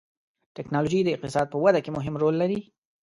ټکنالوجي د اقتصاد په وده کې مهم رول لري.